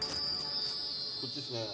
こっちですね。